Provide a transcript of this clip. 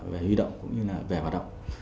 về huy động cũng như là về hoạt động